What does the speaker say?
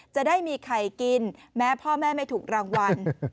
จะได้มีไข่กินแม้พ่อแม่ไม่ถูกรางวัล